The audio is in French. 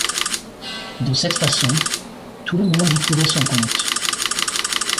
De cette façon, tout le monde y trouvait son compte.